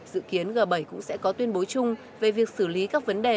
dự kiến g bảy cũng sẽ có tuyên bố chung về việc xử lý các vấn đề